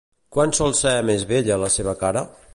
Quan sol ser més bella la seva cara?